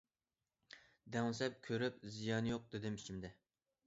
دەڭسەپ كۆرۈپ« زىيان يوق» دېدىم ئىچىمدە.